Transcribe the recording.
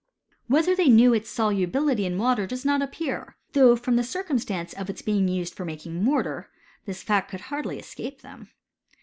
Whether they knew its solubility in water ' does not appear ; though, from the circumstance of itfr beinjf used for making mortar, this fact could hardljr' escape them.